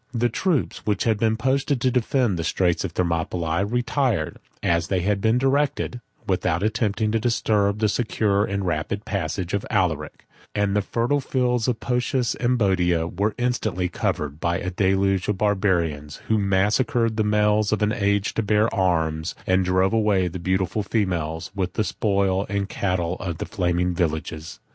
The troops which had been posted to defend the Straits of Thermopylae, retired, as they were directed, without attempting to disturb the secure and rapid passage of Alaric; 7 and the fertile fields of Phocis and Boeotia were instantly covered by a deluge of Barbarians who massacred the males of an age to bear arms, and drove away the beautiful females, with the spoil and cattle of the flaming villages.